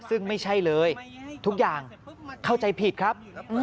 ซึ่งไม่ใช่เลยทุกอย่างเข้าใจผิดครับ